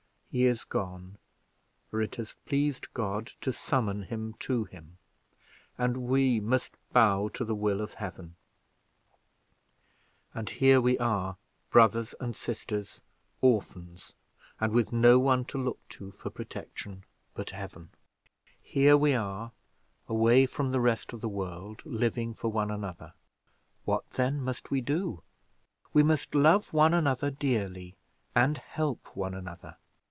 He is gone, for it has pleased God to summon him to him, and we must bow to the will of Heaven; and here we are, brother and sisters, orphans, and with no one to look to for protection but Heaven. Here we are away from the rest of the world, living for one another. What, then, must we do? We must love one another dearly, and help one another.